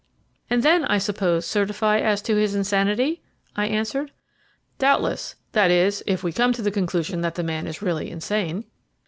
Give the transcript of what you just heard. "And then, I suppose, certify as to his insanity?" I answered. "Doubtless; that is, if we come to the conclusion that the man is really insane."